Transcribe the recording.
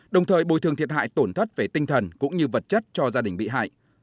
đồng thời bồi thường thiệt hại tổn thất về tinh thần cũng như vật chất cho gia đình bị hại